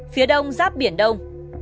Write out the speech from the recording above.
phía đông giáp biển đông